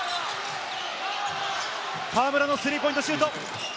河村のスリーポイントシュート！